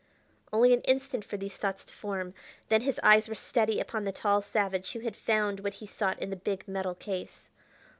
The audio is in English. Only an instant for these thoughts to form then his eyes were steady upon the tall savage who had found what he sought in the big metal case.